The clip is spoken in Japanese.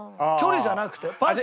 距離じゃなくて。